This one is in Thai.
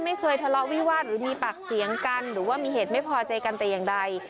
ไม่เคยทะเลาะวิวาสหรือมีปากเสียงกันหรือว่ามีเหตุไม่พอใจกันแต่อย่างใด